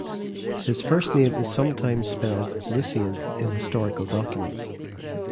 His first name is sometimes spelled Lucien in historical documents.